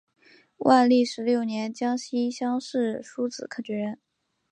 万历十六年江西乡试戊子科举人。